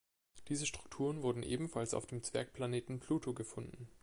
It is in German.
Diese Strukturen wurden ebenfalls auf dem Zwergplaneten Pluto gefunden.